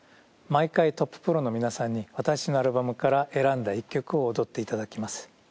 毎回トッププロの皆さんに私のアルバムから選んだ１曲を踊っていただきます。